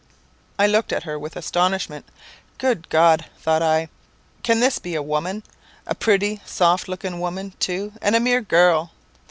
"I looked at her with astonishment. 'Good God!' thought I, 'can this be a woman? A pretty, soft looking woman too and a mere girl!